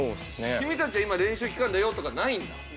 「君たちは今練習期間だよ」とかないんだ？